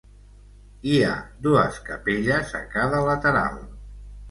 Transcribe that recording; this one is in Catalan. Hi ha dues capelles a cada lateral.